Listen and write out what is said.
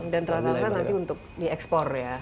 dan teratakan nanti untuk diekspor ya